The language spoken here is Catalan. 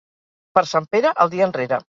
Per Sant Pere, el dia enrere.